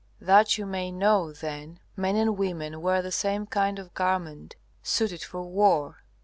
That you may know, then, men and women wear the same kind of garment, suited for war.